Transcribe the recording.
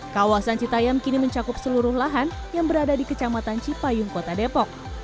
kawasan citayam kini mencakup seluruh lahan yang berada di kecamatan cipayung kota depok